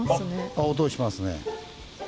あっ音しますね。